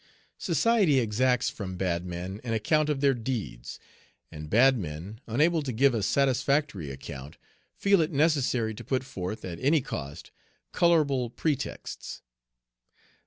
Society exacts from bad men an account of their deeds, and bad men, unable to give a satisfactory account, feel it necessary to put forth, at any cost, colorable pretexts.